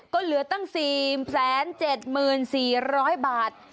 ก็เหลือตั้ง๔๗๔๐๐บาท